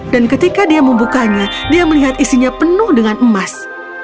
ketika dia membukanya dia melihat isinya penuh dengan emas